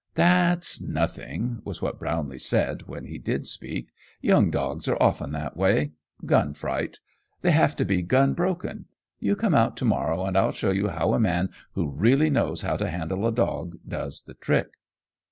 "That's nothing," was what Brownlee said when he did speak; "young dogs are often that way. Gun fright. They have to be gun broken. You come out to morrow, and I'll show you how a man who really knows how to handle a dog does the trick."